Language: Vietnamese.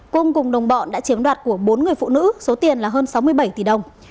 cung cùng đồng bọn đã chiếm đoạt của bốn người phụ nữ số tiền là hơn sáu mươi bảy tỷ đồng